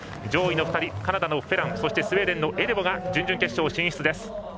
上位の２人カナダのフェランそして、スウェーデンのエデボが準々決勝進出です。